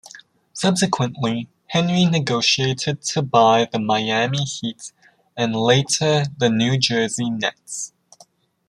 Subsequently, Henry negotiated to buy the Miami Heat and later the New Jersey Nets.